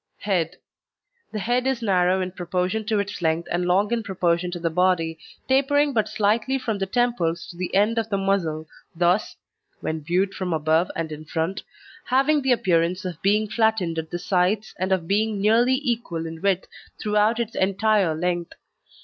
HEAD The head is narrow in proportion to its length and long in proportion to the body, tapering but slightly from the temples to the end of the muzzle thus (when viewed from above and in front) having the appearance of being flattened at the sides and of being nearly equal in width throughout its entire length.